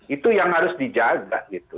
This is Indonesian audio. itu yang harus dijaga gitu